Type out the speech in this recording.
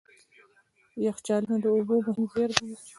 یخچالونه د اوبو مهم زیرمه دي.